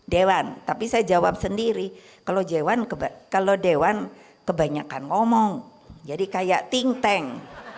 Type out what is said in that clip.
dewan tapi saya jawab sendiri kalau dewan kebak kalau dewan kebanyakan ngomong jadi kayak ting teng